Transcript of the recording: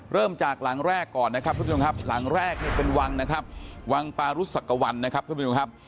เริ่มจากหลังแรกก่อนนะครับทุกผู้ชมครับหลังแรกเนี่ยเป็นวังนะครับวังปารุสักกวัลนะครับท่านผู้ชมครับ